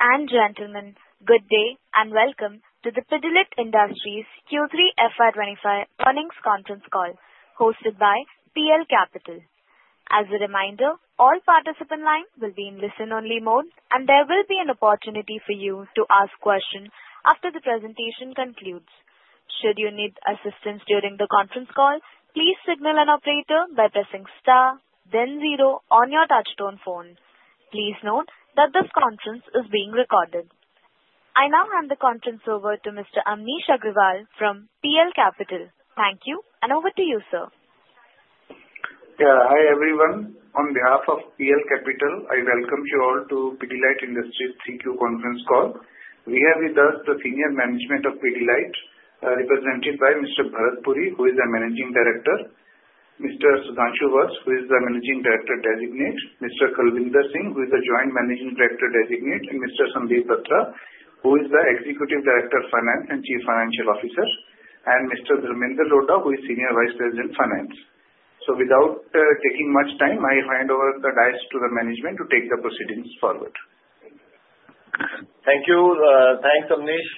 Ladies and gentlemen, good day and welcome to the Pidilite Industries Q3 FY 2025 Earnings Conference Call hosted by PL Capital. As a reminder, all participants' lines will be in listen-only mode, and there will be an opportunity for you to ask questions after the presentation concludes. Should you need assistance during the conference call, please signal an operator by pressing star, then zero on your touch-tone phone. Please note that this conference is being recorded. I now hand the conference over to Mr. Amnish Aggarwal from PL Capital. Thank you, and over to you, sir. Yeah, hi everyone. On behalf of PL Capital, I welcome you all to Pidilite Industries Q3 conference call. We have with us the senior management of Pidilite, represented by Mr. Bharat Puri, who is the Managing Director, Mr. Sudhanshu Vats, who is the Managing Director Designate, Mr. Kavinder Singh, who is the Joint Managing Director Designate, Mr. Sandeep Batra, who is the Executive Director of Finance and Chief Financial Officer, and Mr. Dharmendra Lodha, who is Senior Vice President of Finance. So without taking much time, I hand over the mic to the management to take the proceedings forward. Thank you. Thanks, Amnish.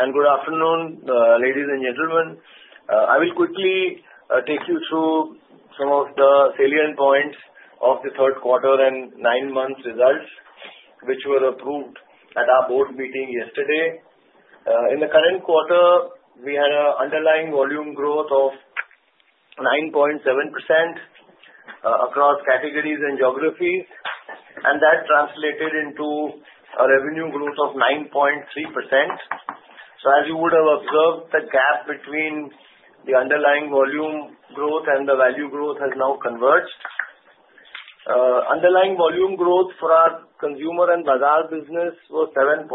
And good afternoon, ladies and gentlemen. I will quickly take you through some of the salient points of the third quarter and nine-month results, which were approved at our board meeting yesterday. In the current quarter, we had an underlying volume growth of 9.7% across categories and geographies, and that translated into a revenue growth of 9.3%. So as you would have observed, the gap between the underlying volume growth and the value growth has now converged. Underlying volume growth for our consumer and bazaar business was 7.3%,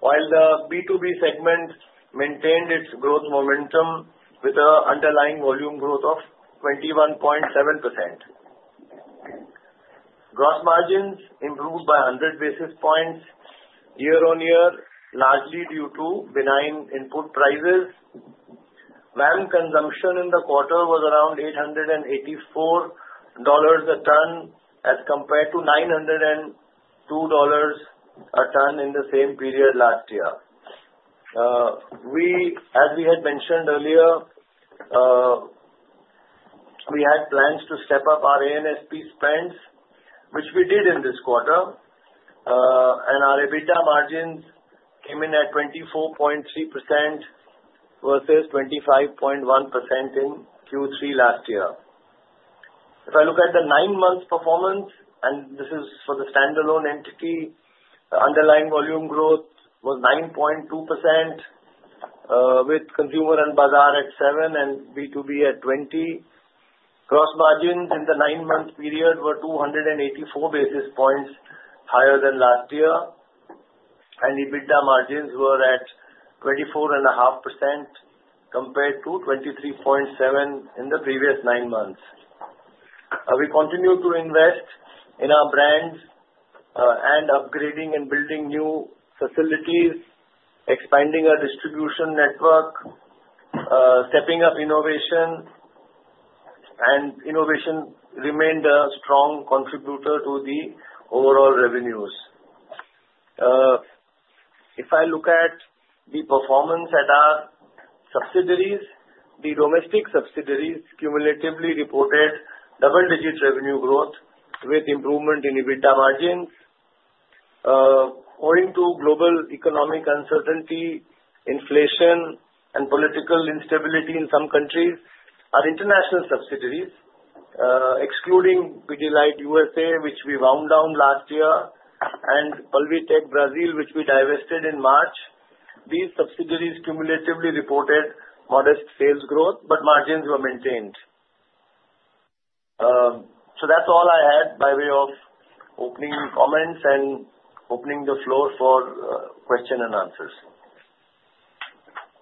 while the B2B segment maintained its Growth momentum with an underlying volume growth of 21.7%. Gross margins improved by 100 basis points year-on-year, largely due to benign input prices. VAM consumption in the quarter was around $884 a ton, as compared to $902 a ton in the same period last year. As we had mentioned earlier, we had plans to step up our A&SP spends, which we did in this quarter, and our EBITDA margins came in at 24.3% versus 25.1% in Q3 last year. If I look at the nine-month performance, and this is for the standalone entity, underlying volume Growth was 9.2%, with consumer and bazaar at seven% and B2B at 20%. Gross margins in the nine-month period were 284 basis points higher than last year, and EBITDA margins were at 24.5% compared to 23.7% in the previous nine months. We continue to invest in our brands and upgrading and building new facilities, expanding our distribution network, stepping up innovation, and innovation remained a strong contributor to the overall revenues. If I look at the performance at our subsidiaries, the domestic subsidiaries cumulatively reported double-digit revenue Growth with improvement in EBITDA margins. Owing to global economic uncertainty, inflation, and political instability in some countries, our international subsidiaries, excluding Pidilite USA, which we wound down last year, and Pulvitec Brazil, which we divested in March, these subsidiaries cumulatively reported modest sales Growth, but margins were maintained. So that's all I had by way of opening comments and opening the floor for questions and answers.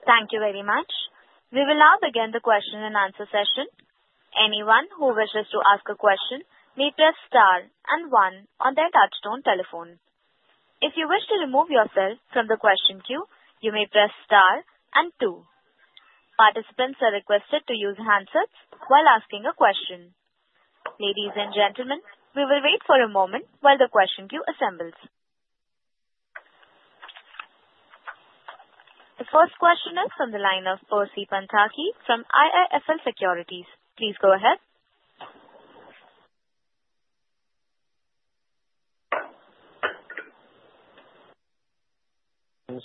Thank you very much. We will now begin the question and answer session. Anyone who wishes to ask a question may press star and one on their touch-tone telephone. If you wish to remove yourself from the question queue, you may press star and two. Participants are requested to use handsets while asking a question. Ladies and gentlemen, we will wait for a moment while the question queue assembles. The first question is from the line of Percy Panthaki from IIFL Securities. Please go ahead.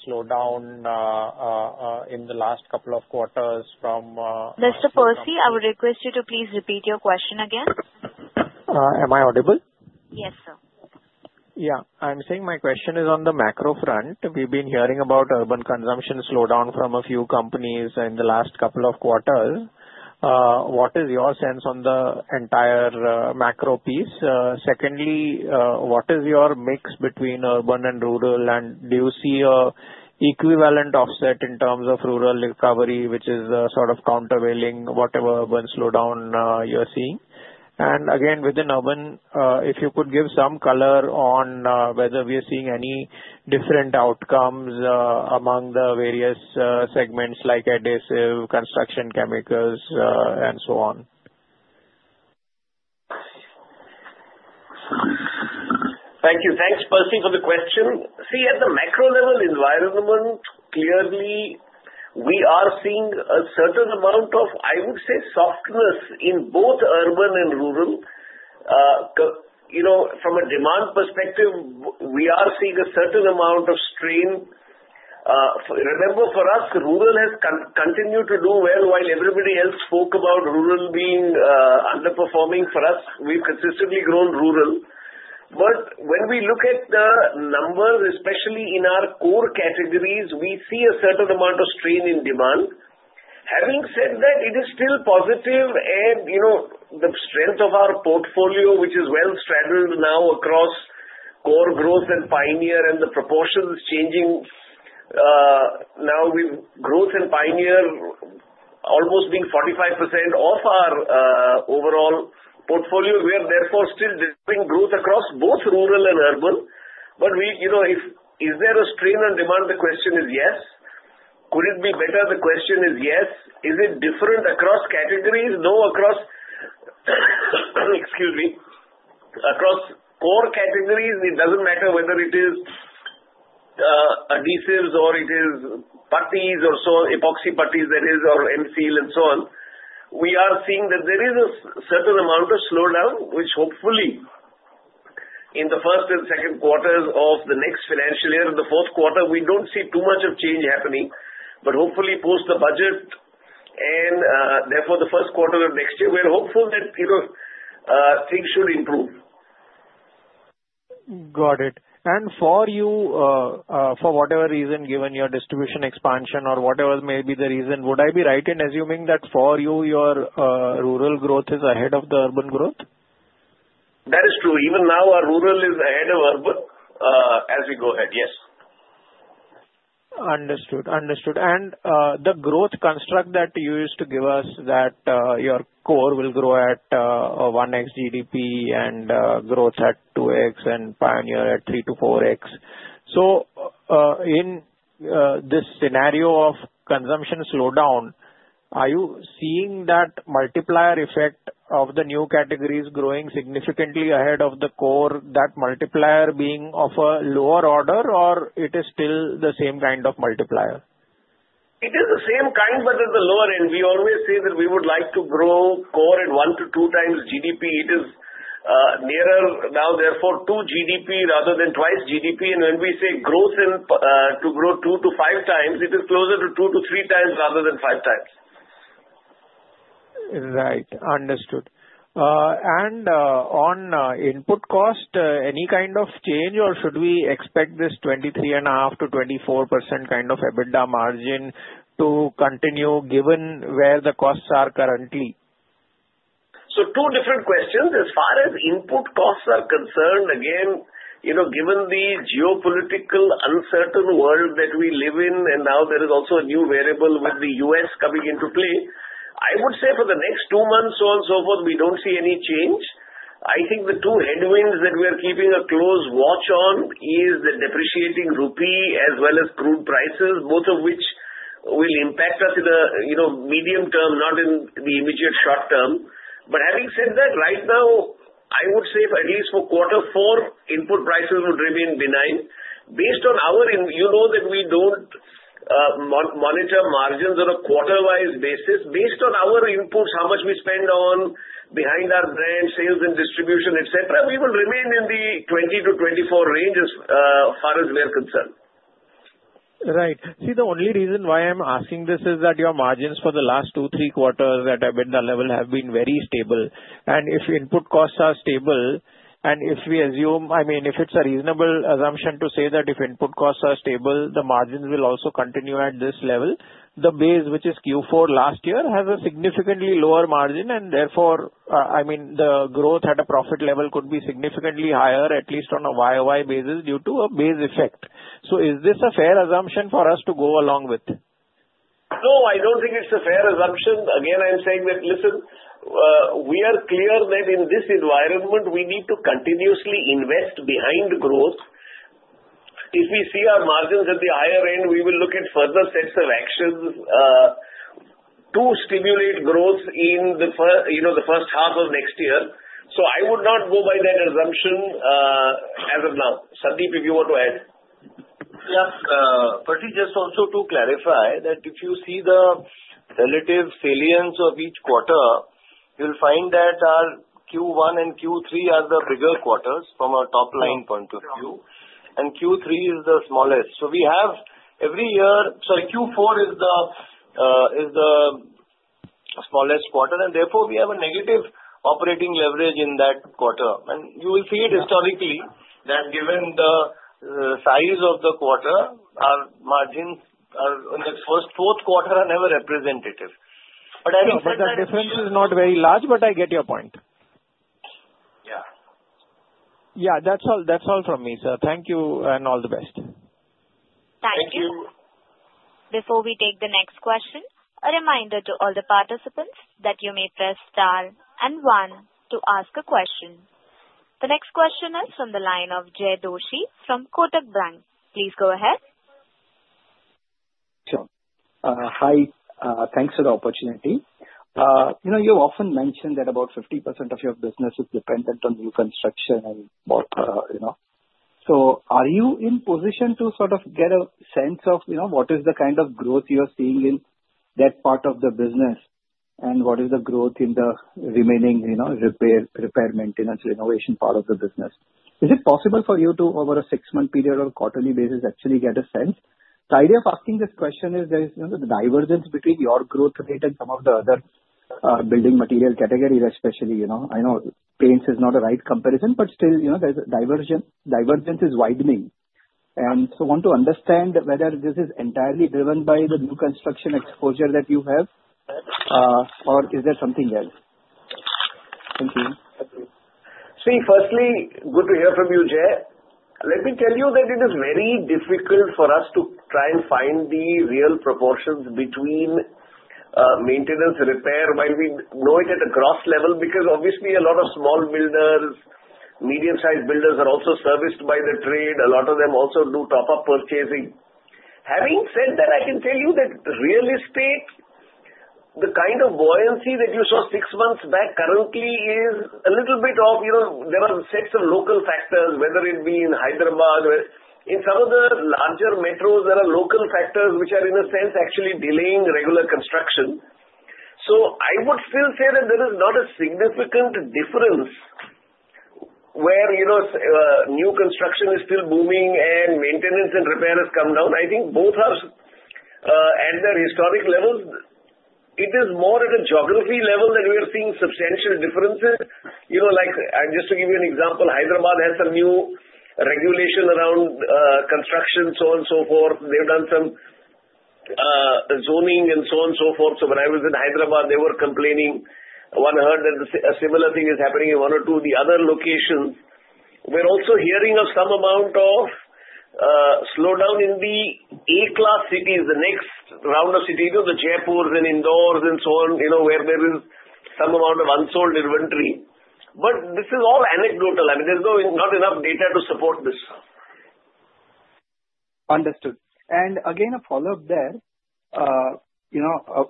Slowdown in the last couple of quarters from. Mr. Percy, I would request you to please repeat your question again. Am I audible? Yes, sir. Yeah. I'm saying my question is on the macro front. We've been hearing about urban consumption slowdown from a few companies in the last couple of quarters. What is your sense on the entire macro piece? Secondly, what is your mix between urban and rural? And do you see an equivalent offset in terms of rural recovery, which is sort of countervailing to whatever urban slowdown you're seeing? And again, within urban, if you could give some color on whether we are seeing any different outcomes among the various segments like adhesive, construction chemicals, and so on? Thank you. Thanks, Percy, for the question. See, at the macro-level environment, clearly, we are seeing a certain amount of, I would say, softness in both urban and rural. From a demand perspective, we are seeing a certain amount of strain. Remember, for us, rural has continued to do well, while everybody else spoke about rural being underperforming. For us, we've consistently grown rural. But when we look at the numbers, especially in our Core categories, we see a certain amount of strain in demand. Having said that, it is still positive, and the strength of our portfolio, which is well-straddled now across Core Growth and Pioneer, and the proportion is changing. Now, with Growth and Pioneer almost being 45% of our overall portfolio, we are therefore still delivering Growth across both rural and urban. But is there a strain on demand? The question is yes. Could it be better? The question is yes. Is it different across categories? No, across Core categories, it doesn't matter whether it is adhesives or it is putties, or so epoxy putties that is, or M-Seal and so on. We are seeing that there is a certain amount of slowdown, which hopefully, in the first and second quarters of the next financial year, in the fourth quarter, we don't see too much of change happening, but hopefully, post the budget, and therefore, the first quarter of next year, we're hopeful that things should improve. Got it. And for you, for whatever reason, given your distribution expansion or whatever may be the reason, would I be right in assuming that for you, your rural Growth is ahead of the urban Growth? That is true. Even now, our rural is ahead of urban as we go ahead. Yes. Understood. Understood. And the Growth construct that you used to give us that your Core will grow at 1x GDP and Growth at 2x and Pioneer at 3x-4x. So in this scenario of consumption slowdown, are you seeing that multiplier effect of the new categories growing significantly ahead of the Core, that multiplier being of a lower order, or it is still the same kind of multiplier? It is the same kind, but at the lower end. We always say that we would like to grow Core at one to two times GDP. It is nearer now, therefore, to GDP rather than twice GDP. And when we say Growth to grow two to five times, it is closer to two to three times rather than five times. Right. Understood. And on input cost, any kind of change, or should we expect this 23.5% to 24% kind of EBITDA margin to continue given where the costs are currently? Two different questions. As far as input costs are concerned, again, given the geopolitical uncertain world that we live in, and now there is also a new variable with the U.S. coming into play, I would say for the next two months on and so forth, we don't see any change. I think the two headwinds that we are keeping a close watch on are the depreciating rupee as well as crude prices, both of which will impact us in the medium term, not in the immediate short term. But having said that, right now, I would say at least for quarter four, input prices would remain benign. Based on our. You know that we don't monitor margins on a quarter-wise basis. Based on our inputs, how much we spend on behind our brand sales and distribution, etc., we will remain in the 20-24 range as far as we are concerned. Right. See, the only reason why I'm asking this is that your margins for the last two, three quarters at EBITDA level have been very stable, and if input costs are stable, and if we assume, I mean, if it's a reasonable assumption to say that if input costs are stable, the margins will also continue at this level, the base, which is Q4 last year, has a significantly lower margin, and therefore, I mean, the Growth at a profit level could be significantly higher, at least on a YoY basis, due to a base effect, so is this a fair assumption for us to go along with? No, I don't think it's a fair assumption. Again, I'm saying that, listen, we are clear that in this environment, we need to continuously invest behind Growth. If we see our margins at the higher end, we will look at further sets of actions to stimulate Growth in the first half of next year. So I would not go by that assumption as of now. Sandeep, if you want to add. Yeah. Percy, just also to clarify that if you see the relative seasonality of each quarter, you'll find that our Q1 and Q3 are the bigger quarters from a top-line point of view, and Q3 is the smallest. We have every year. Sorry, Q4 is the smallest quarter, and therefore, we have a negative operating leverage in that quarter, you will see it historically that given the size of the quarter, our margins in the first and fourth quarter are never representative. I think that the difference is not very large, but I get your point. Yeah. Yeah. That's all from me, sir. Thank you and all the best. Thank you. Thank you. Before we take the next question, a reminder to all the participants that you may press star and one to ask a question. The next question is from the line of Jai Doshi from Kotak Bank. Please go ahead. Sure. Hi. Thanks for the opportunity. You often mentioned that about 50% of your business is dependent on new construction and more. So are you in position to sort of get a sense of what is the kind of Growth you're seeing in that part of the business, and what is the Growth in the remaining repair, maintenance, renovation part of the business? Is it possible for you to, over a six-month period or quarterly basis, actually get a sense? The idea of asking this question is there is a divergence between your Growth rate and some of the other building material categories, especially. I know paint is not a right comparison, but still, there's a divergence. Divergence is widening. And so I want to understand whether this is entirely driven by the new construction exposure that you have, or is there something else? Thank you. See, firstly, good to hear from you, Jai. Let me tell you that it is very difficult for us to try and find the real proportions between maintenance and repair while we know it at a gross level because, obviously, a lot of small builders, medium-sized builders are also serviced by the trade. A lot of them also do top-up purchasing. Having said that, I can tell you that real estate, the kind of buoyancy that you saw six months back currently is a little bit off. There are sets of local factors, whether it be in Hyderabad or in some of the larger metros, there are local factors which are, in a sense, actually delaying regular construction. So I would still say that there is not a significant difference where new construction is still booming and maintenance and repair has come down. I think both have at their historic levels. It is more at a geography level that we are seeing substantial differences. Just to give you an example, Hyderabad has some new regulation around construction, so on and so forth. They've done some zoning and so on and so forth. So when I was in Hyderabad, they were complaining. One heard that a similar thing is happening in one or two of the other locations. We're also hearing of some amount of slowdown in the A-class cities, the next round of cities, the Jaipurs and Indores and so on, where there is some amount of unsold inventory. But this is all anecdotal. I mean, there's not enough data to support this. Understood. And again, a follow-up there.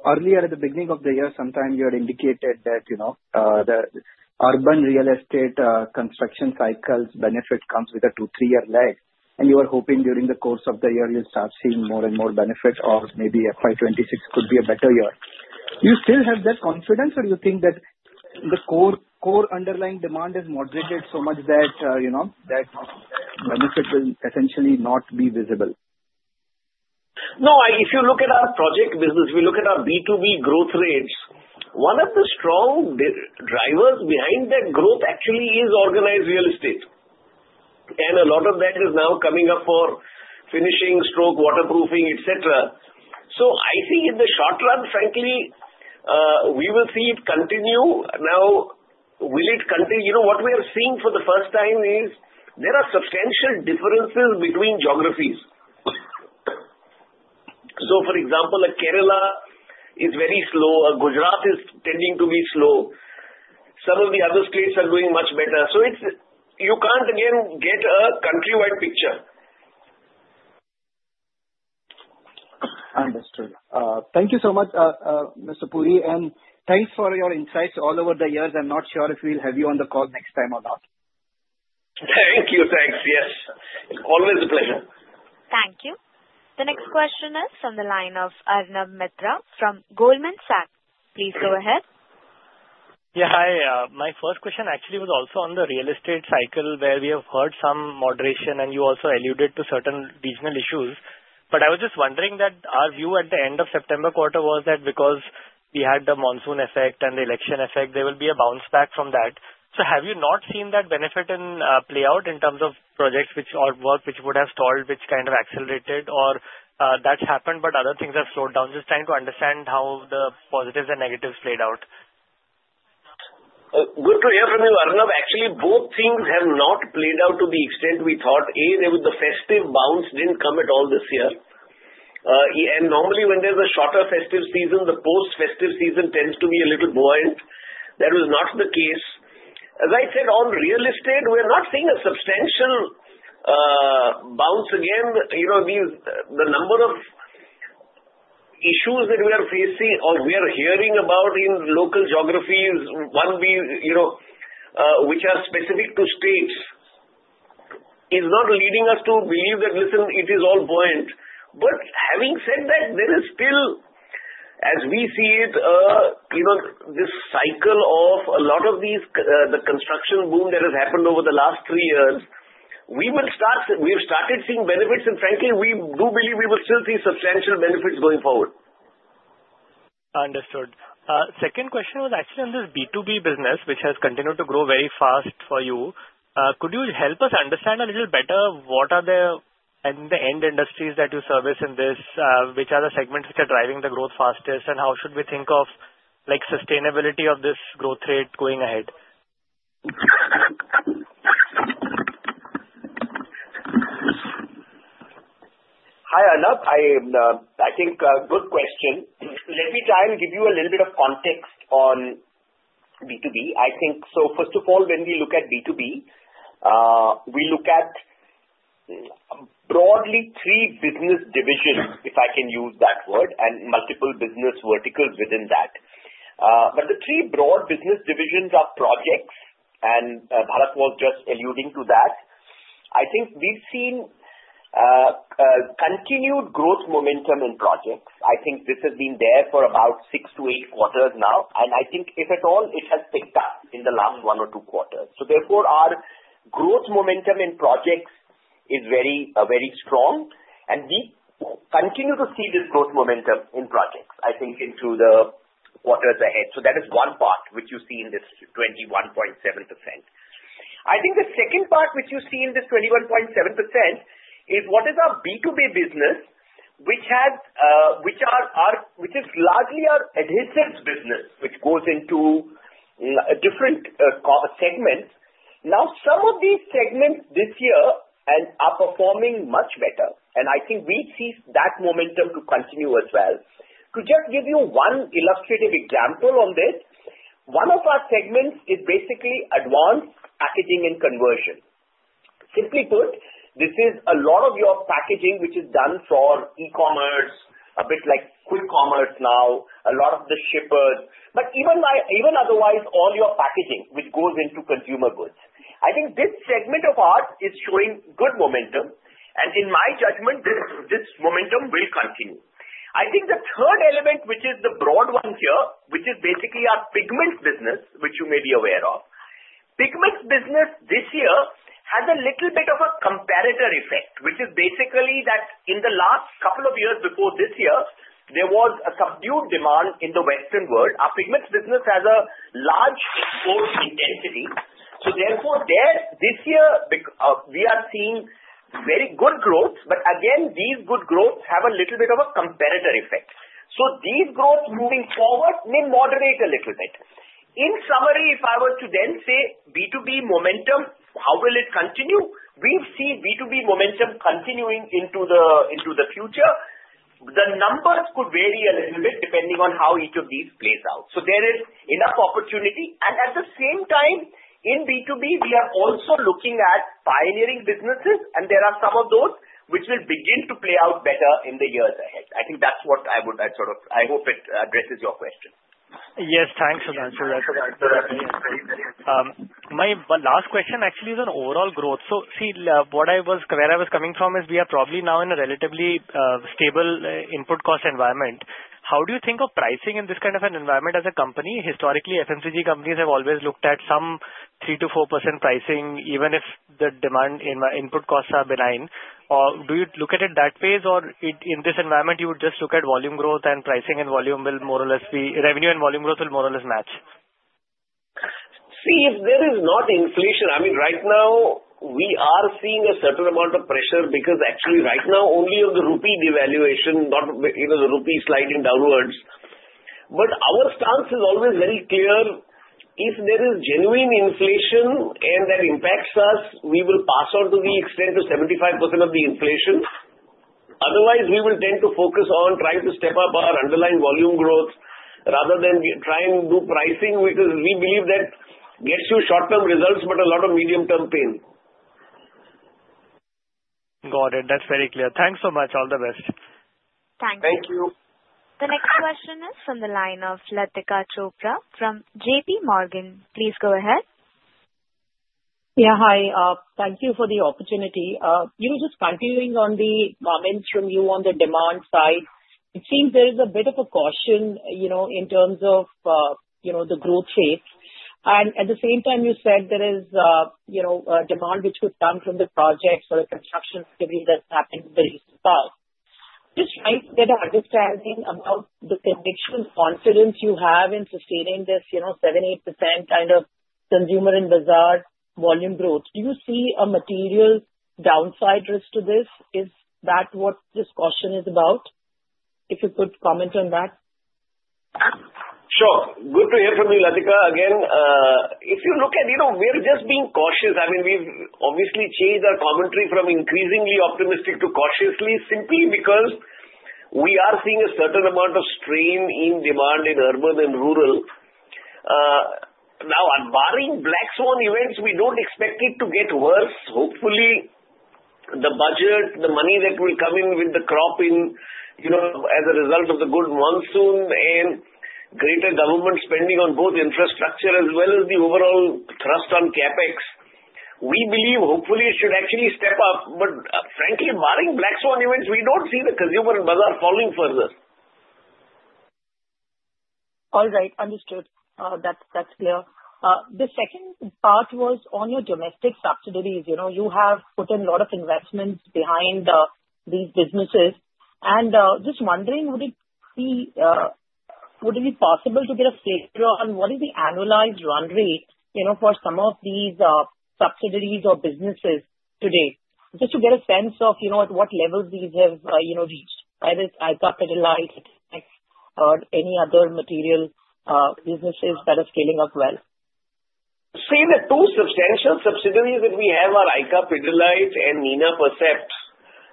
Earlier, at the beginning of the year, sometime you had indicated that the urban real estate construction cycle's benefit comes with a two, three-year lag. And you were hoping during the course of the year, you'll start seeing more and more benefit, or maybe FY 2026 could be a better year. Do you still have that confidence, or do you think that the Core underlying demand is moderated so much that that benefit will essentially not be visible? No. If you look at our project business, we look at our B2B Growth rates, one of the strong drivers behind that Growth actually is organized real estate. And a lot of that is now coming up for finishing, stucco, waterproofing, etc. I think in the short run, frankly, we will see it continue. Now, will it continue? What we are seeing for the first time is there are substantial differences between geographies. For example, Kerala is very slow. Gujarat is tending to be slow. Some of the other states are doing much better. You can't, again, get a countrywide picture. Understood. Thank you so much, Mr. Puri. And thanks for your insights all over the years. I'm not sure if we'll have you on the call next time or not. Thank you. Thanks. Yes. Always a pleasure. Thank you. The next question is from the line of Arnab Mitra from Goldman Sachs. Please go ahead. Yeah. Hi. My first question actually was also on the real estate cycle where we have heard some moderation, and you also alluded to certain regional issues. But I was just wondering that our view at the end of September quarter was that because we had the monsoon effect and the election effect, there will be a bounce back from that. So have you not seen that benefit play out in terms of Projects which would have stalled, which kind of accelerated, or that's happened but other things have slowed down? Just trying to understand how the positives and negatives played out. Good to hear from you, Arnab. Actually, both things have not played out to the extent we thought. A, the festive bounce didn't come at all this year. And normally, when there's a shorter festive season, the post-festive season tends to be a little buoyant. That was not the case. As I said, on real estate, we're not seeing a substantial bounce again. The number of issues that we are facing or we are hearing about in local geographies, which are specific to states, is not leading us to believe that, listen, it is all buoyant. But having said that, there is still, as we see it, this cycle of a lot of the construction boom that has happened over the last three years, we will start—we've started seeing benefits, and frankly, we do believe we will still see substantial benefits going forward. Understood. Second question was actually on this B2B business, which has continued to grow very fast for you. Could you help us understand a little better what are the end industries that you service in this, which are the segments which are driving the Growth fastest, and how should we think of sustainability of this Growth rate going ahead? Hi, Arnab. I think a good question. Let me try and give you a little bit of context on B2B. So first of all, when we look at B2B, we look at broadly three business divisions, if I can use that word, and multiple business verticals within that, but the three broad business divisions are Projects, and Bharat was just alluding to that. I think we've seen continued Growth momentum in Projects. I think this has been there for about six to eight quarters now, and I think, if at all, it has picked up in the last one or two quarters. So therefore, our Growth momentum in Projects is very strong, and we continue to see this Growth momentum in Projects, I think, into the quarters ahead. So that is one part which you see in this 21.7%. I think the second part which you see in this 21.7% is what is our B2B business, which is largely our adhesives business, which goes into different segments. Now, some of these segments this year are performing much better, and I think we see that momentum to continue as well. To just give you one illustrative example on this, one of our segments is basically advanced packaging and conversion. Simply put, this is a lot of your packaging which is done for e-commerce, a bit like quick commerce now, a lot of the shippers, but even otherwise, all your packaging which goes into consumer goods. I think this segment of ours is showing good momentum, and in my judgment, this momentum will continue. I think the third element, which is the broad one here, which is basically our pigments business, which you may be aware of. Pigments business this year has a little bit of a comparator effect, which is basically that in the last couple of years before this year, there was a subdued demand in the Western world. Our pigments business has a large Growth intensity. So therefore, this year, we are seeing very good Growth. But again, these good Growths have a little bit of a comparator effect. So these Growths moving forward may moderate a little bit. In summary, if I were to then say B2B momentum, how will it continue? We've seen B2B momentum continuing into the future. The numbers could vary a little bit depending on how each of these plays out. So there is enough opportunity. And at the same time, in B2B, we are also looking at pioneering businesses, and there are some of those which will begin to play out better in the years ahead. I think that's what I would sort of, I hope it addresses your question. Yes. Thanks for the answer. That's a great question. My last question actually is on overall Growth. So see, where I was coming from is we are probably now in a relatively stable input cost environment. How do you think of pricing in this kind of an environment as a company? Historically, FMCG companies have always looked at some 3%-4% pricing, even if the demand input costs are benign. Or do you look at it that way, or in this environment, you would just look at volume Growth and pricing and volume will more or less be revenue and volume Growth will more or less match? See, if there is not inflation. I mean, right now, we are seeing a certain amount of pressure because actually, right now, only of the rupee devaluation, not the rupee sliding downwards. But our stance is always very clear. If there is genuine inflation and that impacts us, we will pass on to the extent to 75% of the inflation. Otherwise, we will tend to focus on trying to step up our underlying volume Growth rather than trying new pricing because we believe that gets you short-term results but a lot of medium-term pain. Got it. That's very clear. Thanks so much. All the best. Thank you. Thank you. The next question is from the line of Latika Chopra from J.P. Morgan. Please go ahead. Yeah. Hi. Thank you for the opportunity. Just continuing on the comments from you on the demand side, it seems there is a bit of a caution in terms of the Growth rate. And at the same time, you said there is demand which could come from the Projects or the construction activity that's happening in the recent past. Just trying to get an understanding about the conviction confidence you have in sustaining this 7-8% kind of consumer and bazaar volume Growth. Do you see a material downside risk to this? Is that what this caution is about? If you could comment on that. Sure. Good to hear from you, Latika. Again, if you look at we're just being cautious. I mean, we've obviously changed our commentary from increasingly optimistic to cautiously simply because we are seeing a certain amount of strain in demand in urban and rural. Now, barring Black Swan events, we don't expect it to get worse. Hopefully, the budget, the money that will come in with the crop as a result of the good monsoon and greater government spending on both infrastructure as well as the overall thrust on CapEx, we believe, hopefully, it should actually step up. But frankly, barring Black Swan events, we don't see the consumer and bazaar falling further. All right. Understood. That's clear. The second part was on your domestic subsidiaries. You have put in a lot of investments behind these businesses. And just wondering, would it be possible to get a figure on what is the annualized run rate for some of these subsidiaries or businesses today? Just to get a sense of at what level these have reached. Either ICA Pidilite or any other material businesses that are scaling up well. See, the two substantial subsidiaries that we have are ICA Pidilite and Nina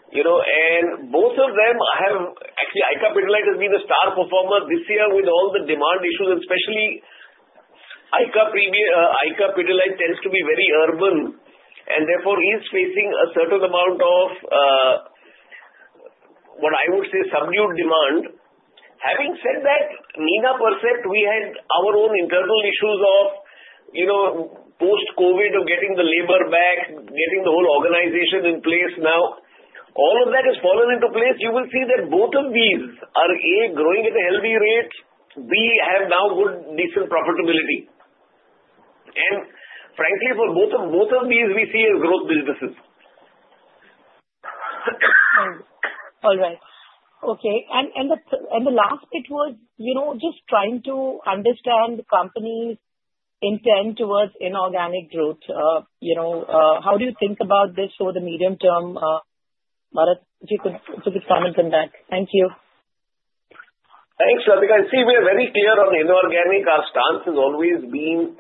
Percept. And both of them have actually ICA Pidilite has been the star performer this year with all the demand issues, and especially ICA Pidilite tends to be very urban and therefore is facing a certain amount of, what I would say, subdued demand. Having said that, Nina Percept, we had our own internal issues of post-COVID of getting the labor back, getting the whole organization in place now. All of that has fallen into place. You will see that both of these are, A, growing at a healthy rate. B, have now good, decent profitability. And frankly, for both of these, we see as Growth businesses. All right. Okay. And the last bit was just trying to understand the company's intent towards inorganic Growth. How do you think about this over the medium term? Bharat, if you could comment on that. Thank you. Thanks, Latika. See, we are very clear on inorganic. Our stance has always been,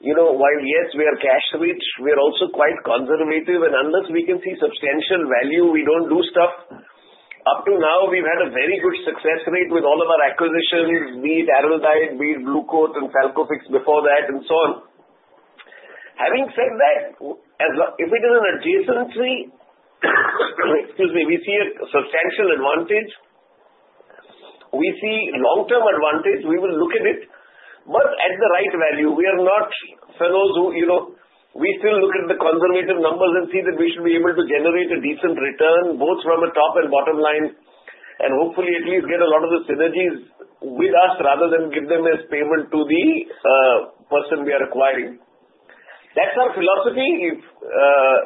while yes, we are cash-rich, we are also quite conservative, and unless we can see substantial value, we don't do stuff. Up to now, we've had a very good success rate with all of our acquisitions, be it Araldite, be it Bluecoat and Falcofix before that, and so on. Having said that, if it is an adjacency, excuse me, we see a substantial advantage. We see long-term advantage. We will look at it, but at the right value, we are not fellows who we still look at the conservative numbers and see that we should be able to generate a decent return both from a top and bottom line and hopefully at least get a lot of the synergies with us rather than give them as payment to the person we are acquiring. That's our philosophy.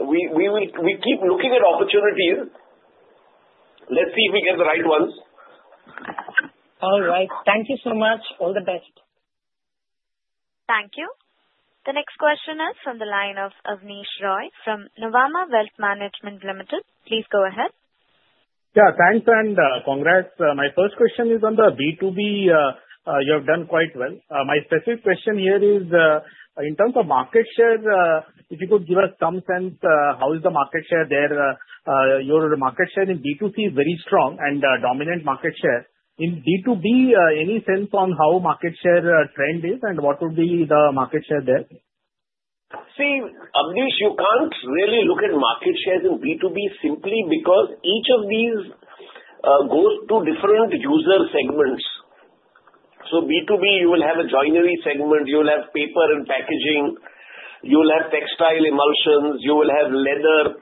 We keep looking at opportunities. Let's see if we get the right ones. All right. Thank you so much. All the best. Thank you. The next question is from the line of Abneesh Roy from Nuvama Wealth Management Limited. Please go ahead. Yeah. Thanks and congrats. My first question is on the B2B. You have done quite well. My specific question here is, in terms of market share, if you could give us some sense, how is the market share there? Your market share in B2C is very strong and dominant market share. In B2B, any sense on how market share trend is and what would be the market share there? See, Abneesh, you can't really look at market shares in B2B simply because each of these goes to different user segments. So B2B, you will have a joinery segment. You will have paper and packaging. You will have textile emulsions. You will have leather.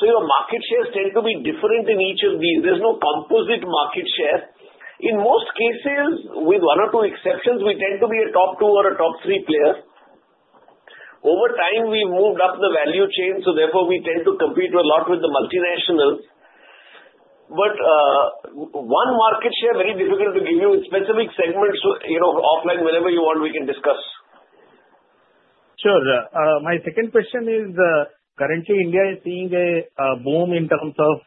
So your market shares tend to be different in each of these. There's no composite market share. In most cases, with one or two exceptions, we tend to be a top two or a top three player. Over time, we moved up the value chain. So therefore, we tend to compete a lot with the multinationals. But one market share is very difficult to give you in specific segments. Offline, whenever you want, we can discuss. Sure. My second question is, currently, India is seeing a boom in terms of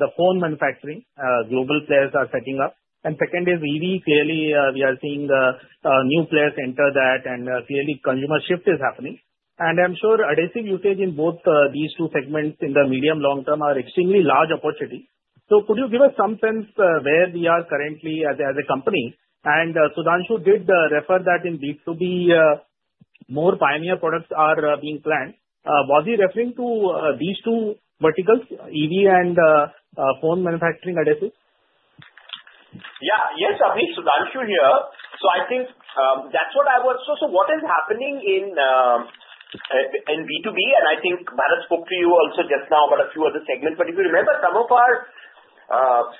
the phone manufacturing. Global players are setting up. And second is EV. Clearly, we are seeing new players enter that. And clearly, consumer shift is happening. And I'm sure adhesive usage in both these two segments in the medium-long term are extremely large opportunities. So could you give us some sense where we are currently as a company? And Sudhanshu did refer that in B2B, more Pioneer products are being planned. Was he referring to these two verticals, EV and phone manufacturing adhesives? Yeah. Yes, Abneesh. Sudhanshu here. I think that's what I was. So what is happening in B2B? I think Bharat spoke to you also just now about a few other segments. But if you remember, some of our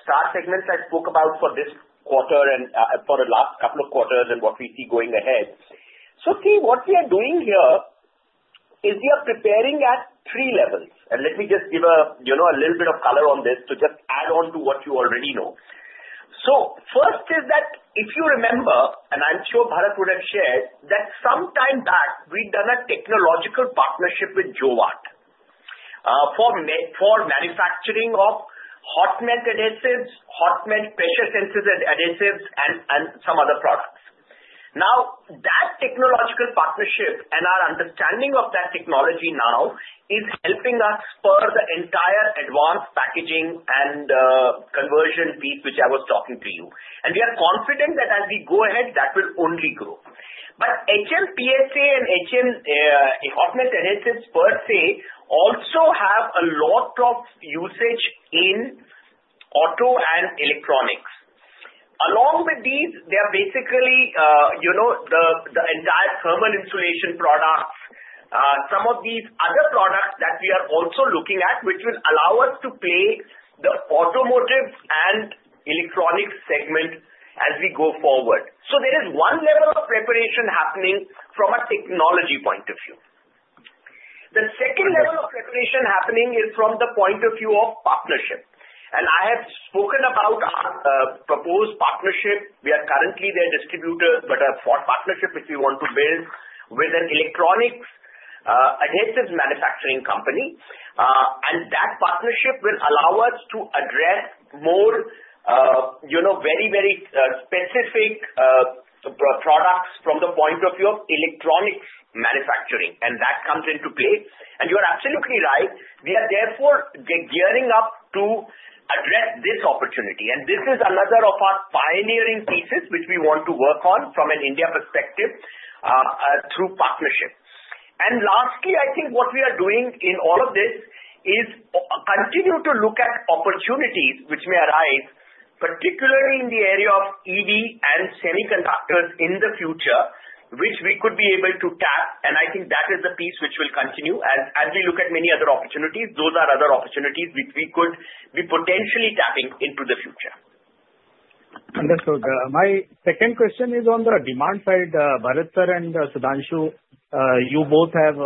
star segments I spoke about for this quarter and for the last couple of quarters and what we see going ahead. See, what we are doing here is we are preparing at three levels. Let me just give a little bit of color on this to just add on to what you already know. First is that if you remember, and I'm sure Bharat would have shared, that some time back, we'd done a technological partnership with Jowat for manufacturing of hot melt adhesives, hot melt pressure sensitive adhesives, and some other products. Now, that technological partnership and our understanding of that technology now is helping us further the entire advanced packaging and conversion piece which I was talking to you, and we are confident that as we go ahead, that will only grow, but HMPSA and hot melt adhesives per se also have a lot of usage in auto and electronics. Along with these, there are basically the entire thermal insulation products, some of these other products that we are also looking at which will allow us to play the automotive and electronic segment as we go forward, so there is one level of preparation happening from a technology point of view. The second level of preparation happening is from the point of view of partnership, and I have spoken about our proposed partnership. We are currently their distributor, but a partnership which we want to build with an electronics adhesive manufacturing company. And that partnership will allow us to address more very, very specific products from the point of view of electronics manufacturing. And that comes into play. And you are absolutely right. We are therefore gearing up to address this opportunity. And this is another of our Pioneering pieces which we want to work on from an India perspective through partnership. And lastly, I think what we are doing in all of this is continue to look at opportunities which may arise, particularly in the area of EV and semiconductors in the future, which we could be able to tap. And I think that is the piece which will continue. As we look at many other opportunities, those are other opportunities which we could be potentially tapping into the future. Understood. My second question is on the demand side. Bharat Sir and Sudhanshu, you both have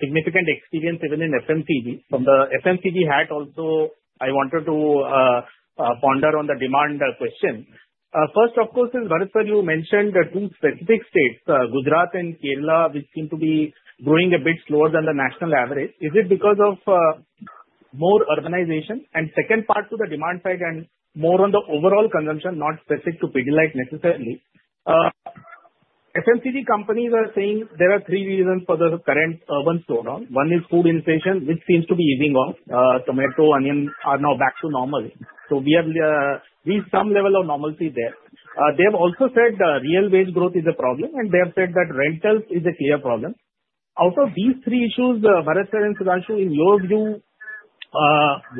significant experience even in FMCG. From the FMCG hat also, I wanted to ponder on the demand question. First, of course, is Bharat Sir, you mentioned two specific states, Gujarat and Kerala, which seem to be growing a bit slower than the national average. Is it because of more urbanization? And second part to the demand side and more on the overall consumption, not specific to Pidilite necessarily. FMCG companies are saying there are three reasons for the current urban slowdown. One is food inflation, which seems to be easing off. Tomato, onion are now back to normal. So we have reached some level of normalcy there. They have also said real wage Growth is a problem, and they have said that rentals is a clear problem. Out of these three issues, Bharat Sir and Sudhanshu, in your view,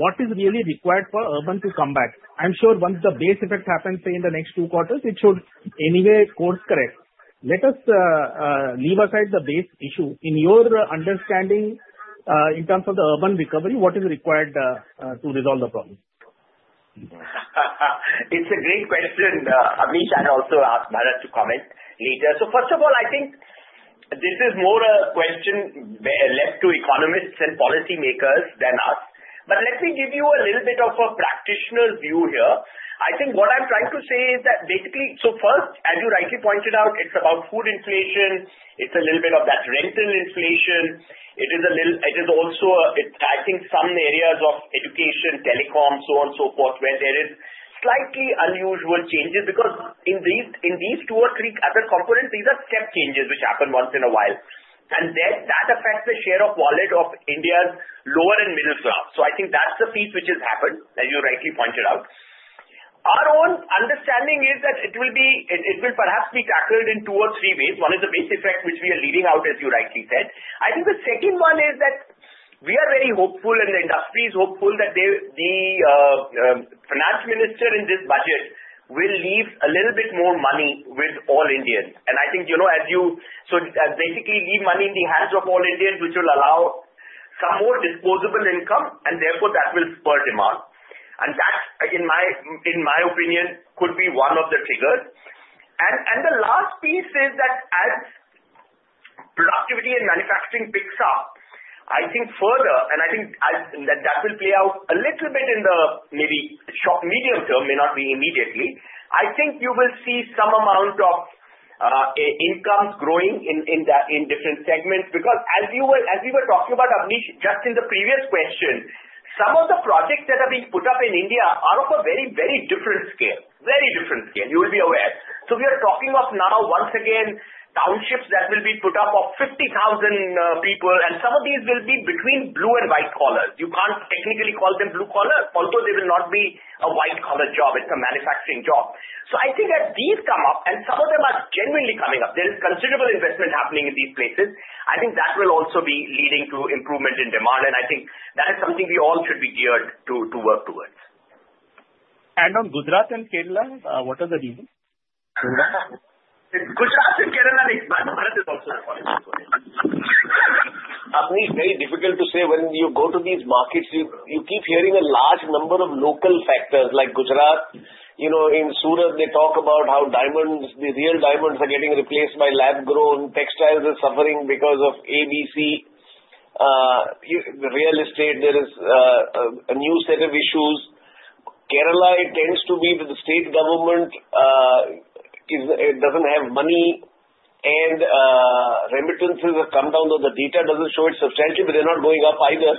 what is really required for urban to come back? I'm sure once the base effect happens, say, in the next two quarters, it should anyway course correct. Let us leave aside the base issue. In your understanding, in terms of the urban recovery, what is required to resolve the problem? It's a great question. Abneesh, I'll also ask Bharat to comment later. So first of all, I think this is more a question left to economists and policymakers than us. But let me give you a little bit of a practitioner's view here. I think what I'm trying to say is that basically, so first, as you rightly pointed out, it's about food inflation. It's a little bit of that rental inflation. It is also a, I think, some areas of education, telecom, so on and so forth, where there are slightly unusual changes. Because in these two or three other components, these are step changes which happen once in a while. And that affects the share of wallet of India's lower and middle class. So I think that's the piece which has happened, as you rightly pointed out. Our own understanding is that it will perhaps be tackled in two or three ways. One is the base effect which we are leaving out, as you rightly said. I think the second one is that we are very hopeful, and the industry is hopeful that the finance minister in this budget will leave a little bit more money with all Indians, and I think, as you so basically leave money in the hands of all Indians, which will allow some more disposable income, and therefore that will spur demand, and that, in my opinion, could be one of the triggers, and the last piece is that as productivity and manufacturing picks up, I think further, and I think that will play out a little bit in the maybe medium term, may not be immediately. I think you will see some amount of income growing in different segments. Because as we were talking about, Abneesh, just in the previous question, some of the Projects that are being put up in India are of a very, very different scale. Very different scale. You will be aware. So we are talking of now, once again, townships that will be put up of 50,000 people. And some of these will be between blue and white collar. You can't technically call them blue collar, although they will not be a white collar job. It's a manufacturing job. So I think as these come up, and some of them are genuinely coming up, there is considerable investment happening in these places. I think that will also be leading to improvement in demand. And I think that is something we all should be geared to work towards. On Gujarat and Kerala, what are the reasons? Gujarat and Kerala, no. Bharat is also the point. Abneesh, very difficult to say. When you go to these markets, you keep hearing a large number of local factors like Gujarat. In Surat, they talk about how diamonds, the real diamonds, are getting replaced by lab-grown diamonds. The textiles that are suffering because of bad real estate. There is a new set of issues. Kerala, it tends to be with the state government. It doesn't have money. And remittances have come down, though the data doesn't show it substantially, but they're not going up either.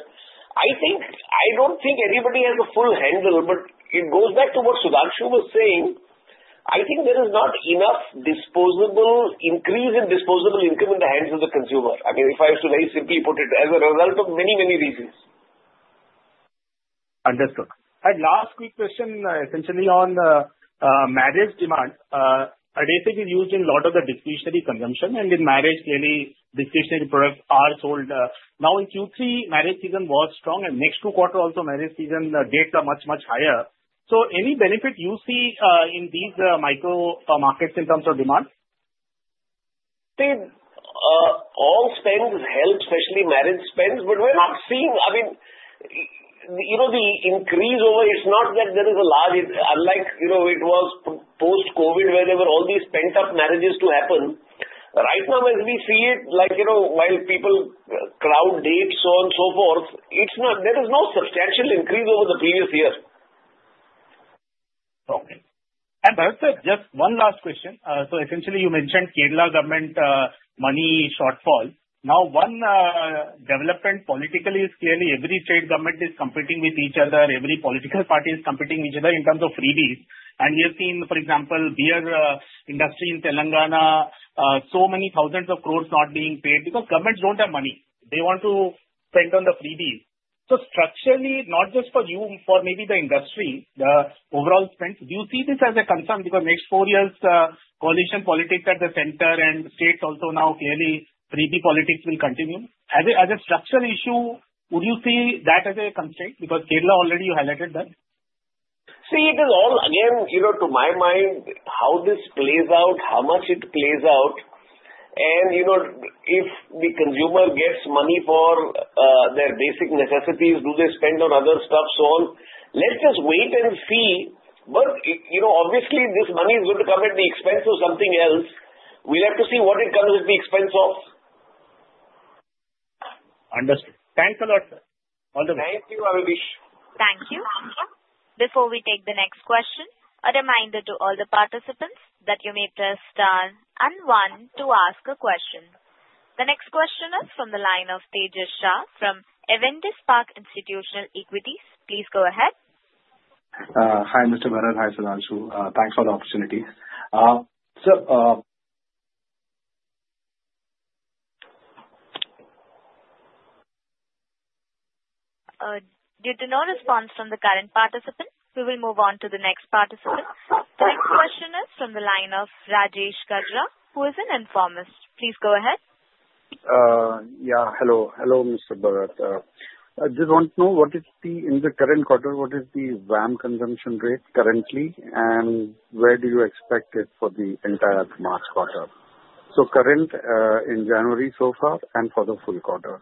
I don't think anybody has a full handle. But it goes back to what Sudhanshu was saying. I think there is not enough increase in disposable income in the hands of the consumer. I mean, if I have to very simply put it, as a result of many, many reasons. Understood. And last quick question, essentially on marriage demand. Adhesive is used in a lot of the discretionary consumption. And in marriage, clearly, discretionary products are sold. Now in Q3, marriage season was strong. And next two quarters, also, marriage season dates are much, much higher. So any benefit you see in these micro markets in terms of demand? See, all spend is held, especially marriage spend. But we're not seeing, I mean, the increase over it. It's not that there is a large unlike it was post-COVID, where there were all these pent-up marriages to happen. Right now, as we see it, while people crowd dates, so on and so forth, there is no substantial increase over the previous year. Okay. And Bharat Sir, just one last question. So essentially, you mentioned Kerala government money shortfall. Now, one development politically is clearly every state government is competing with each other. Every political party is competing with each other in terms of freebies. And we have seen, for example, beer industry in Telangana, so many thousands of crores not being paid. Because governments don't have money. They want to spend on the freebies. So structurally, not just for you, for maybe the industry, the overall spend, do you see this as a concern? Because next four years, coalition politics at the center and states also now clearly freebie politics will continue. As a structural issue, would you see that as a constraint? Because Kerala already you highlighted that. See, it is all, again, to my mind, how this plays out, how much it plays out, and if the consumer gets money for their basic necessities, do they spend on other stuff, so on? Let's just wait and see, but obviously, this money is going to come at the expense of something else. We'll have to see what it comes at the expense of. Understood. Thanks a lot, sir. All the best. Thank you, Abneesh. Thank you. Before we take the next question, a reminder to all the participants that you may press star and one to ask a question. The next question is from the line of Tejas Shah from Avendus Spark Institutional Equities. Please go ahead. Hi, Mr. Bharat. Hi, Sudhanshu. Thanks for the opportunity. So. Due to no response from the current participant, we will move on to the next participant. The next question is from the line of Rajesh Gajra, who is an Informist. Please go ahead. Yeah. Hello. Hello, Mr. Bharat. I just want to know what is the VAM consumption rate currently, and where do you expect it for the entire March quarter? So, current in January so far and for the full quarter,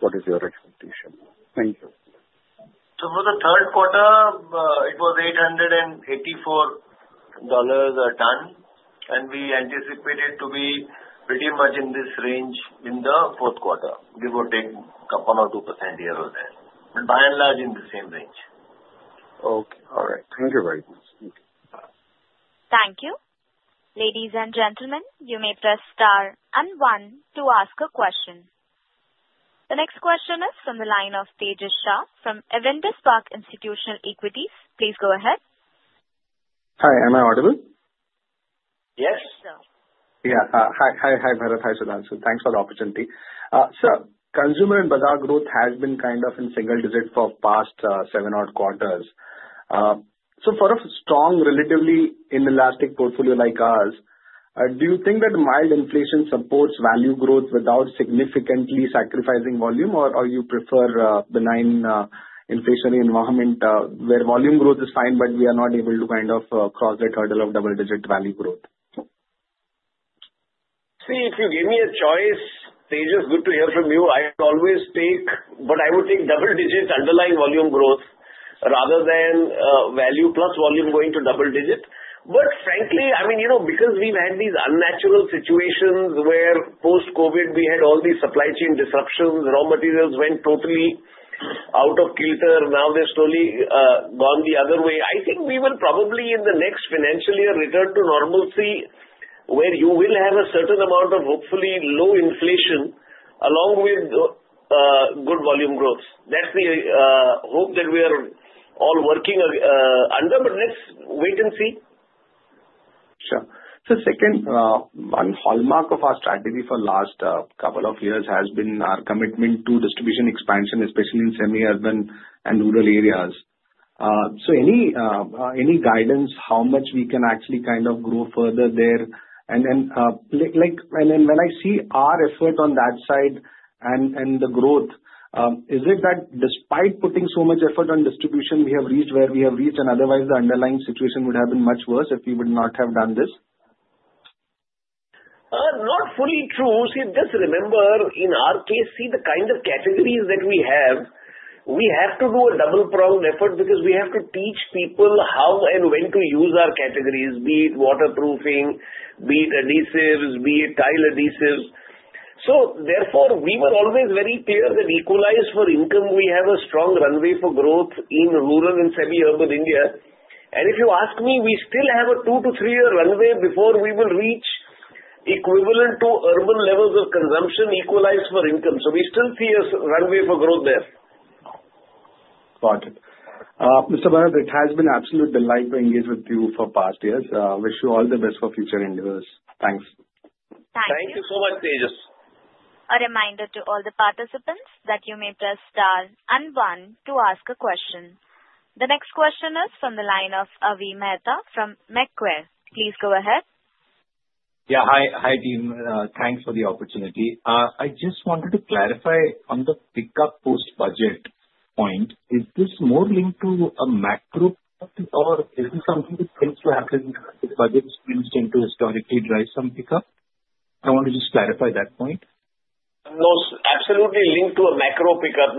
what is your expectation? Thank you. So for the third quarter, it was $884 a ton. And we anticipated to be pretty much in this range in the fourth quarter, give or take 1%-2% here or there. But by and large, in the same range. Okay. All right. Thank you very much. Thank you. Thank you. Ladies and gentlemen, you may press star and one to ask a question. The next question is from the line of Tejas Shah from Avendus Spark Institutional Equities. Please go ahead. Hi. Am I audible? Yes. Yes. Yeah. Hi, Bharat. Hi, Sudhanshu. Thanks for the opportunity. Sir, consumer and bazaar Growth has been kind of in single digit for past seven odd quarters. So for a strong, relatively inelastic portfolio like ours, do you think that mild inflation supports value Growth without significantly sacrificing volume, or do you prefer a benign inflationary environment where volume Growth is fine, but we are not able to kind of cross that hurdle of double-digit value Growth? See, if you give me a choice, Tejas. Good to hear from you. I would always take what I would take double-digit underlying volume Growth rather than value plus volume going to double-digit. But frankly, I mean, because we've had these unnatural situations where post-COVID, we had all these supply chain disruptions. Raw materials went totally out of kilter. Now they've slowly gone the other way. I think we will probably in the next financial year return to normalcy where you will have a certain amount of hopefully low inflation along with good volume Growth. That's the hope that we are all working under. But let's wait and see. Sure. So second, one hallmark of our strategy for the last couple of years has been our commitment to distribution expansion, especially in semi-urban and rural areas. So any guidance how much we can actually kind of grow further there? And then when I see our effort on that side and the Growth, is it that despite putting so much effort on distribution, we have reached where we have reached, and otherwise the underlying situation would have been much worse if we would not have done this? Not fully true. See, just remember in our case, see the kind of categories that we have, we have to do a double-pronged effort because we have to teach people how and when to use our categories, be it waterproofing, be it adhesives, be it tile adhesives. So therefore, we were always very clear that equalized for income, we have a strong runway for Growth in rural and semi-urban India. And if you ask me, we still have a two to three-year runway before we will reach equivalent to urban levels of consumption equalized for income. So we still see a runway for Growth there. Got it. Mr. Bharat, it has been an absolute delight to engage with you for past years. Wish you all the best for future endeavors. Thanks. Thank you. Thank you so much, Tejas. A reminder to all the participants that you may press star and one to ask a question. The next question is from the line of Avi Mehta from Macquarie. Please go ahead. Yeah. Hi, team. Thanks for the opportunity. I just wanted to clarify on the pickup post-budget point. Is this more linked to a macro pickup, or is this something that tends to happen if budgets tend to historically drive some pickup? I want to just clarify that point. No, absolutely linked to a macro pickup.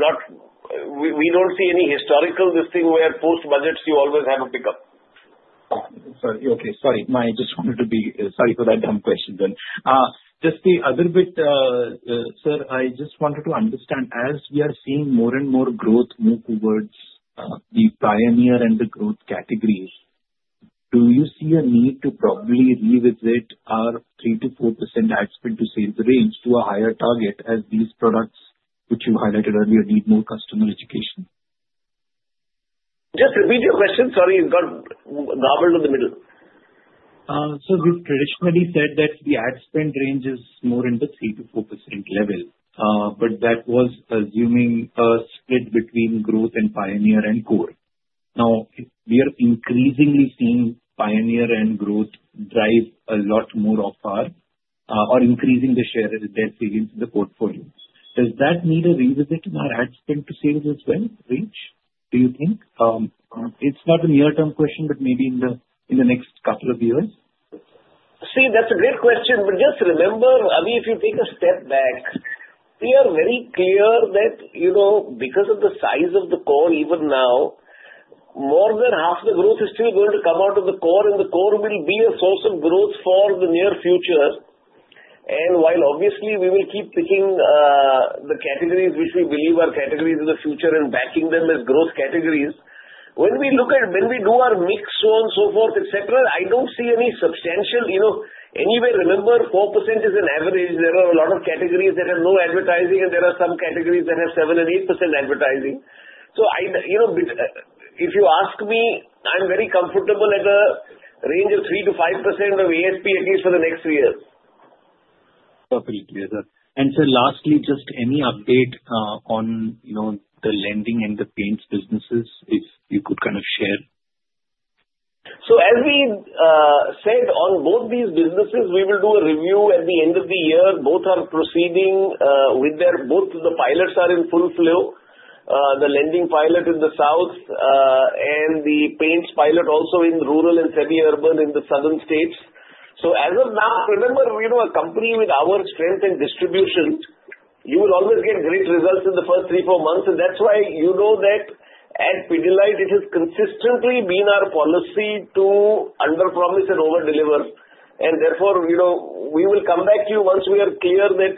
We don't see any historical listing where post-budgets you always have a pickup. Sorry. I just wanted to say sorry for that dumb question. Just the other bit, sir, I just wanted to understand, as we are seeing more and more Growth move towards the Pioneer and the Growth categories, do you see a need to probably revisit our 3%-4% ad spend to raise the range to a higher target as these products, which you highlighted earlier, need more customer education? Just repeat your question. Sorry, you got garbled in the middle. So we've traditionally said that the ad spend range is more in the 3%-4% level. But that was assuming a split between Growth and Pioneer and Core. Now, we are increasingly seeing Pioneer and Growth drive a lot more of our increasing the share that's in the portfolio. Does that need a revisit in our ad spend to save as well, Rach? Do you think? It's not a near-term question, but maybe in the next couple of years. See, that's a great question. But just remember, I mean, if you take a step back, we are very clear that because of the size of the Core, even now, more than half the Growth is still going to come out of the Core. And the Core will be a source of Growth for the near future. And while obviously we will keep picking the categories which we believe are categories of the future and backing them as Growth categories, when we look at when we do our mix, so on and so forth, etc., I don't see any substantial anywhere. Remember, 4% is an average. There are a lot of categories that have no advertising. And there are some categories that have 7% and 8% advertising. So if you ask me, I'm very comfortable at a range of 3%-5% of ASP, at least for the next three years. Totally. And sir, lastly, just any update on the lending and the paints businesses, if you could kind of share? So as we said, on both these businesses, we will do a review at the end of the year. Both are proceeding with their both the pilots are in full flow, the lending pilot in the south and the paints pilot also in rural and semi-urban in the southern states. So as of now, remember, a company with our strength in distribution, you will always get great results in the first three, four months. And that's why you know that at Pidilite, it has consistently been our policy to underpromise and overdeliver. And therefore, we will come back to you once we are clear that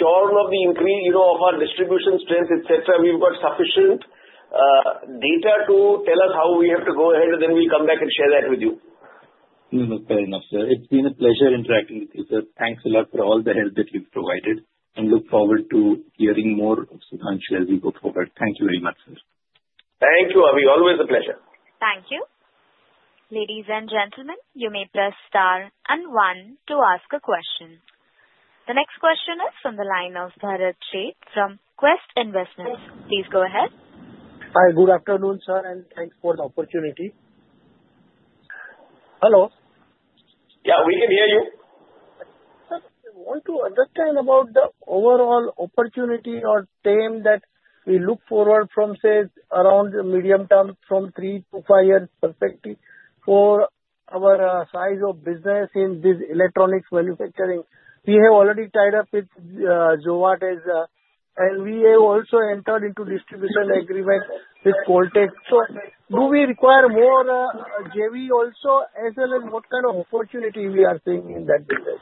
sure of the increase of our distribution strength, etc. We've got sufficient data to tell us how we have to go ahead. And then we'll come back and share that with you. Fair enough, sir. It's been a pleasure interacting with you, sir. Thanks a lot for all the help that you've provided. And look forward to hearing more of Sudhanshu as we go forward. Thank you very much, sir. Thank you, Avi. Always a pleasure. Thank you. Ladies and gentlemen, you may press star and one to ask a question. The next question is from the line of Bharat Sheth from Quest Investments. Please go ahead. Hi. Good afternoon, sir, and thanks for the opportunity. Hello. Yeah. We can hear you. Sir, I want to understand about the overall opportunity or theme that we look forward from, say, around the medium term from three to five years perspective for our size of business in this electronics manufacturing. We have already tied up with Jowat as a and we have also entered into distribution agreement with CollTech. So do we require more JV also, as well as what kind of opportunity we are seeing in that business?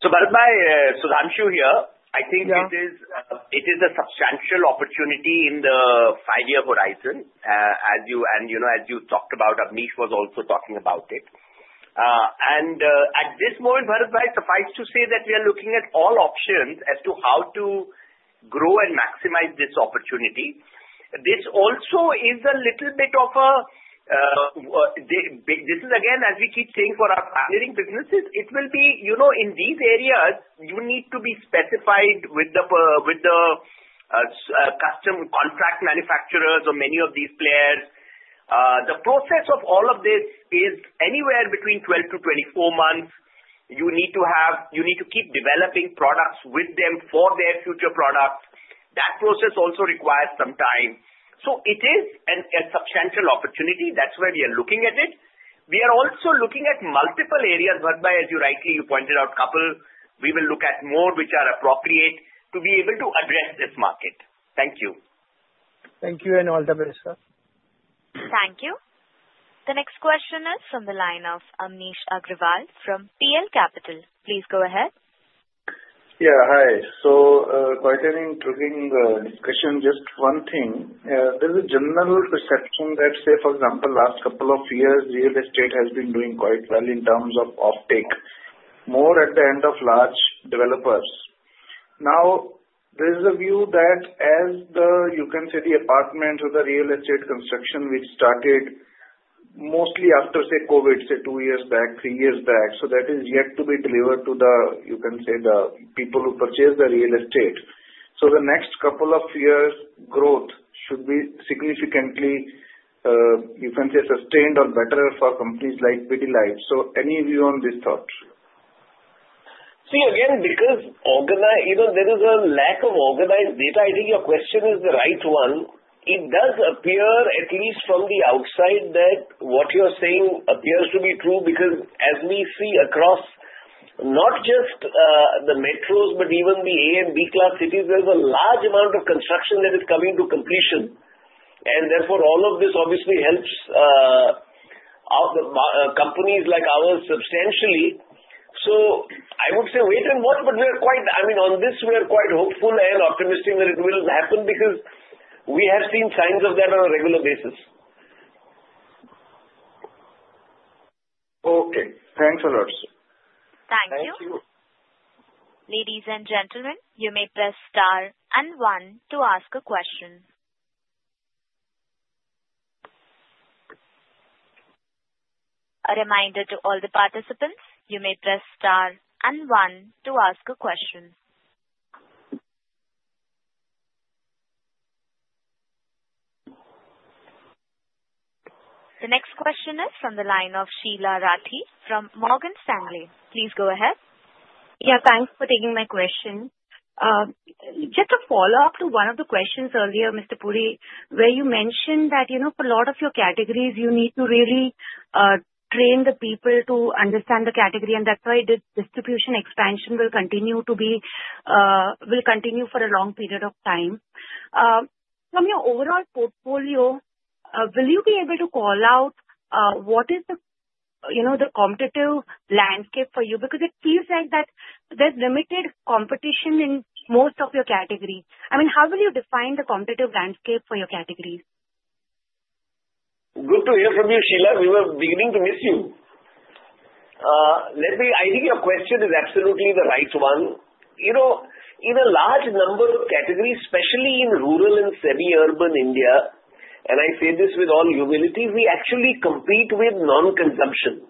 So Bharatbhai, Sudhanshu here. I think it is a substantial opportunity in the five-year horizon. And as you talked about, Abneesh was also talking about it. And at this moment, Bharatbhai, suffice to say that we are looking at all options as to how to grow and maximize this opportunity. This also is a little bit of a this is, again, as we keep saying for our Pioneering businesses, it will be in these areas, you need to be specified with the custom contract manufacturers or many of these players. The process of all of this is anywhere between 12-24 months. You need to have you need to keep developing products with them for their future products. That process also requires some time. So it is a substantial opportunity. That's why we are looking at it. We are also looking at multiple areas, Bharatbhai, as you rightly pointed out, a couple we will look at more which are appropriate to be able to address this market. Thank you. Thank you. And all the best, sir. Thank you. The next question is from the line of Amnish Aggarwal from PL Capital. Please go ahead. Yeah. Hi. So quite an intriguing discussion. Just one thing. There's a general perception that, say, for example, last couple of years, real estate has been doing quite well in terms of off-take, more at the end of large developers. Now, there is a view that as the, you can say, the apartment or the real estate construction, which started mostly after, say, COVID, say, two years back, three years back, so that is yet to be delivered to the, you can say, the people who purchase the real estate. So the next couple of years, Growth should be significantly, you can say, sustained or better for companies like Pidilite. So any view on this thought? See, again, because there is a lack of organized data, I think your question is the right one. It does appear, at least from the outside, that what you're saying appears to be true because as we see across not just the metros, but even the A and B-class cities, there's a large amount of construction that is coming to completion. And therefore, all of this obviously helps companies like ours substantially. So I would say wait and watch. But we are quite I mean, on this, we are quite hopeful and optimistic that it will happen because we have seen signs of that on a regular basis. Okay. Thanks a lot, sir. Thank you. Thank you. Ladies and gentlemen, you may press star and one to ask a question. A reminder to all the participants, you may press star and one to ask a question. The next question is from the line of Sheela Rathi from Morgan Stanley. Please go ahead. Yeah. Thanks for taking my question. Just a follow-up to one of the questions earlier, Mr. Puri, where you mentioned that for a lot of your categories, you need to really train the people to understand the category. And that's why distribution expansion will continue to be for a long period of time. From your overall portfolio, will you be able to call out what is the competitive landscape for you? Because it feels like there's limited competition in most of your categories. I mean, how will you define the competitive landscape for your categories? Good to hear from you, Sheela. We were beginning to miss you. I think your question is absolutely the right one. In a large number of categories, especially in rural and semi-urban India, and I say this with all humility, we actually compete with non-consumption.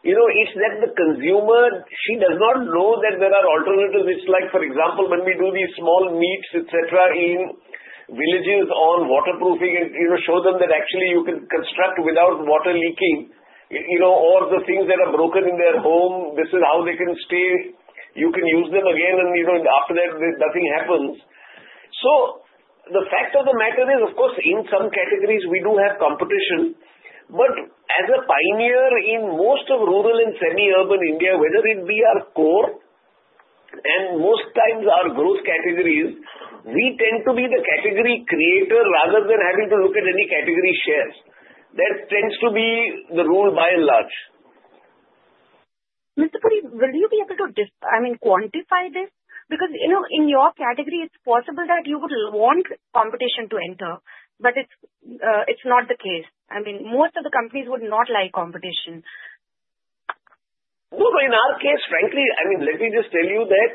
It's that the consumer, she does not know that there are alternatives. It's like, for example, when we do these small meets, etc., in villages on waterproofing and show them that actually you can construct without water leaking or the things that are broken in their home, this is how they can stay. You can use them again. And after that, nothing happens. So the fact of the matter is, of course, in some categories, we do have competition. As a Pioneer in most of rural and semi-urban India, whether it be our Core and most times our Growth categories, we tend to be the category creator rather than having to look at any category shares. That tends to be the rule by and large. Mr. Puri, will you be able to, I mean, quantify this? Because in your category, it's possible that you would want competition to enter. But it's not the case. I mean, most of the companies would not like competition. Well, in our case, frankly, I mean, let me just tell you that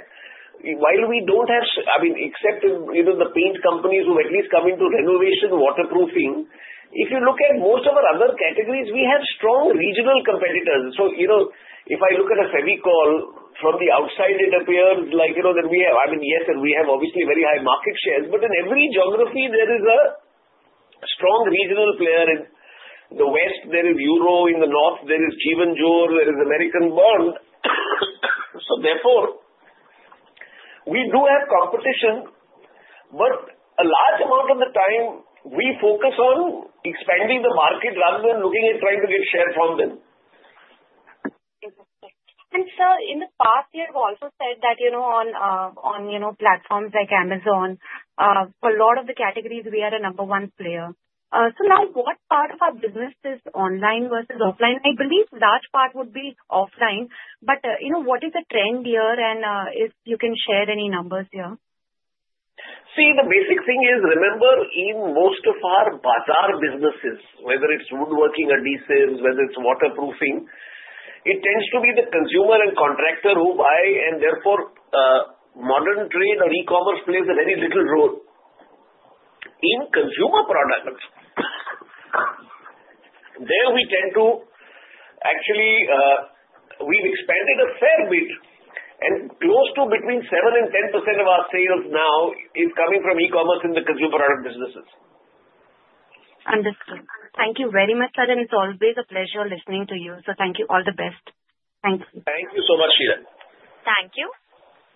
while we don't have, I mean, except the paint companies who at least come into renovation, waterproofing, if you look at most of our other categories, we have strong regional competitors. So if I look at it at a high level from the outside, it appears that we have, I mean, yes, and we have obviously very high market shares. But in every geography, there is a strong regional player. In the West, there is Euro. In the North, there is Jivanjor. There is American Bond. So therefore, we do have competition. But a large amount of the time, we focus on expanding the market rather than looking at trying to get share from them. Interesting. And, sir, in the past, you have also said that on platforms like Amazon, for a lot of the categories, we are a number one player. So now, what part of our business is online versus offline? I believe a large part would be offline. But what is the trend here? And if you can share any numbers here. See, the basic thing is, remember, in most of our bazaar businesses, whether it's woodworking, adhesives, whether it's waterproofing, it tends to be the consumer and contractor who buy. Therefore, modern trade or e-commerce plays a very little role. In consumer products, there we tend to actually we've expanded a fair bit. Close to between 7% and 10% of our sales now is coming from e-commerce in the consumer product businesses. Understood. Thank you very much, sir. And it's always a pleasure listening to you. So thank you. All the best. Thank you. Thank you so much, Sheela. Thank you.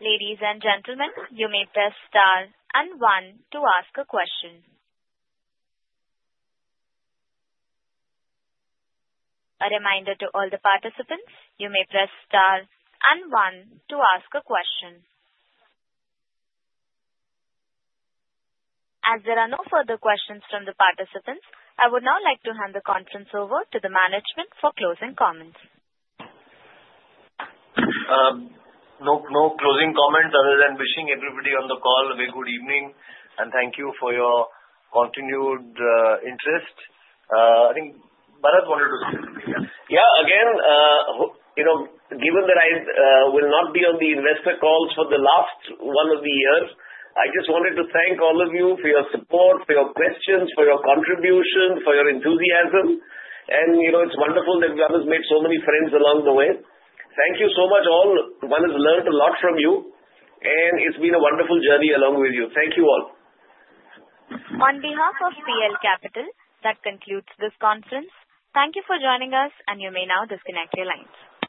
Ladies and gentlemen, you may press star and one to ask a question. A reminder to all the participants, you may press star and one to ask a question. As there are no further questions from the participants, I would now like to hand the conference over to the management for closing comments. No closing comments other than wishing everybody on the call a very good evening. And thank you for your continued interest. I think Bharat wanted to say something. Yeah. Yeah. Again, given that I will not be on the investor calls for the last one or the year, I just wanted to thank all of you for your support, for your questions, for your contribution, for your enthusiasm. And it's wonderful that we have made so many friends along the way. Thank you so much, all. One has learned a lot from you. And it's been a wonderful journey along with you. Thank you all. On behalf of PL Capital, that concludes this conference. Thank you for joining us, and you may now disconnect your lines.